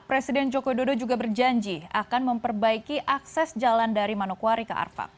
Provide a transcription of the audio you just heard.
presiden joko widodo juga berjanji akan memperbaiki akses jalan dari manokwari ke arfak